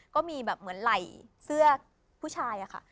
ก็มีแบบเหมือนไหล่เสื้อผู้ชายอะค่ะ